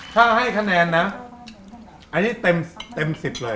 ถ้าให้คะแนนนะอันนี้เต็ม๑๐เลย